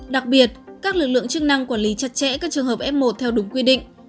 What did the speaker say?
đặc biệt các lực lượng chức năng quản lý chặt chẽ các trường hợp f một theo đúng quy định